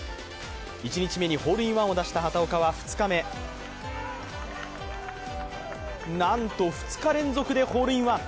１日目にホールインワンを出した畑岡は２日目、なんと２日連続でホールインワン。